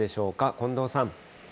近藤さん。